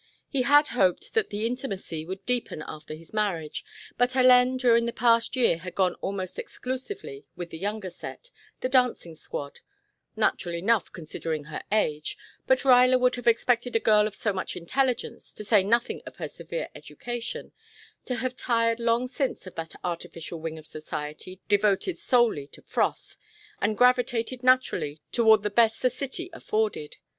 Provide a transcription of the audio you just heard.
He had hoped that the intimacy would deepen after his marriage, but Hélène during the past year had gone almost exclusively with the younger set, the "dancing squad"; natural enough considering her age, but Ruyler would have expected a girl of so much intelligence, to say nothing of her severe education, to have tired long since of that artificial wing of society devoted solely to froth, and gravitated naturally toward the best the city afforded.